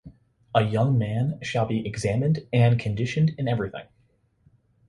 A young man shall be examined and conditioned in everything.